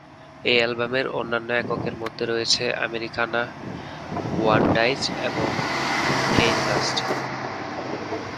এই অ্যালবামের অন্যান্য এককের মধ্যে রয়েছে "আমেরিকানা", "ওয়ান ডাইচ" এবং "কেইন লাস্ট"।